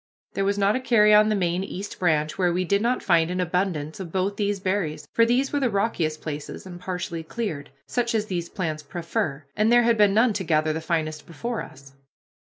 There was not a carry on the main East Branch where we did not find an abundance of both these berries, for these were the rockiest places and partially cleared, such as these plants prefer, and there had been none to gather the finest before us.